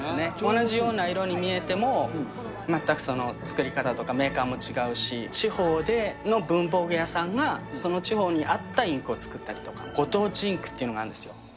同じような色に見えても、全く作り方とかメーカーも違うし、地方の文房具屋さんが、その地方に合ったインクを作ったりとか、ご当地インクっていうのがあるんですよ。